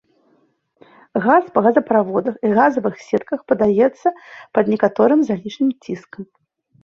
Газ па газаправодах і газавых сетак падаецца пад некаторым залішнім ціскам.